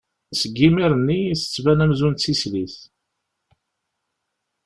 Seg yimir-nni i d-tettban amzun d tislit.